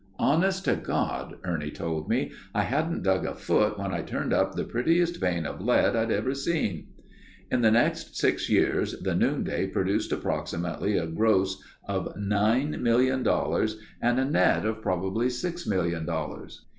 "Honest to God," Ernie told me, "I hadn't dug a foot when I turned up the prettiest vein of lead I'd ever seen." In the next six years the Noonday produced approximately a gross of nine million dollars and a net of probably six million dollars.